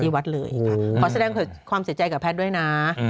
เพราะแสดงความเสียใจกับแพทย์ด้วยนะ